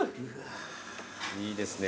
いいですね。